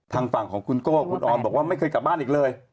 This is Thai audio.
ทางฝั่งของคุณโก้คุณออนบอกว่าไม่เคยกลับบ้านอีกเลย